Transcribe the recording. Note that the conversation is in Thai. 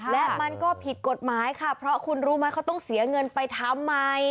และมันก็ผิดกฎหมายค่ะเพราะคุณรู้ไหมเขาต้องเสียเงินไปทำไม